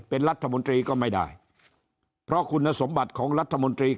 เป็นรัฐมนตรีก็ไม่ได้เพราะคุณสมบัติของรัฐมนตรี